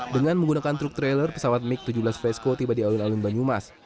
dengan menggunakan truk trailer pesawat mig tujuh belas fresco tiba di alun alun banyumas